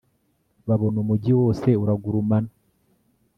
babona umugi wose uragurumana